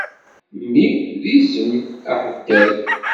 Mmi d izem aheddal.